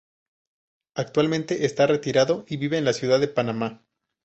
Actualmente está retirado y vive en la ciudad de Panamá.